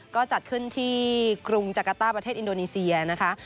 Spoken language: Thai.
ก็จัดขึ้นที่กรุงจักรต้าประเทศอินโดนีเซียนะคะ